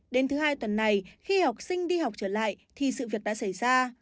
đến thứ hai tuần này khi học sinh đi học trở lại thì sự việc đã xảy ra